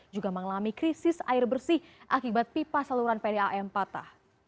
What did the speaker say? juga mengalami krisis air bersih akibat pipa saluran pdam patah